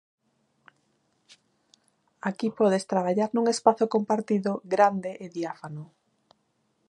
Aquí podes traballar nun espazo compartido, grande e diáfano.